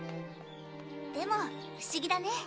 でも不思議だね。